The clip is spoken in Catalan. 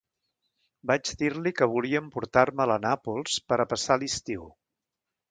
Vaig dir-li que volia emportar-me-la a Nàpols per a passar l'estiu.